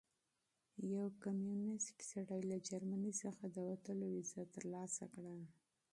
یو کمونیست سړي له جرمني څخه د وتلو ویزه ترلاسه کړه.